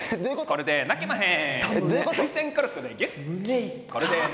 これで泣けまへん！